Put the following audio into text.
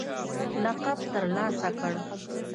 لقب ترلاسه کړ